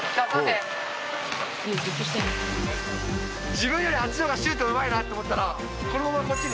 自分よりあっちのがシュートうまいなって思ったらこのままこっちに。